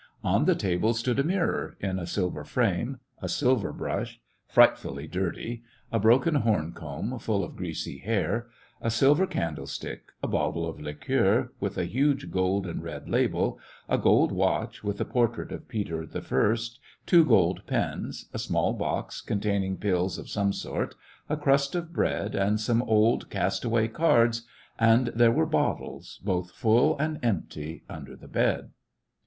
On the table stood a mirror, in a silver frame, a silver brush, frightfully dirty, a broken horn comb, full of greasy hair, a silver candlestick, a bottle of liqueur, with a huge gold and ' red label, a gold watch, with a portrait of Peter I., two gold pens, a small box, containing pills of some sort, a crust of bread, and some old, cast away cards, and there were bottles, both full and empty, under the bed.